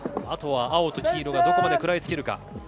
あとは青と黄色がどこまで食らいつけるか。